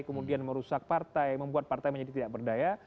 kemudian merusak partai membuat partai menjadi tidak berdaya